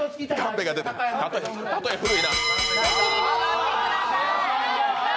席に戻ってください。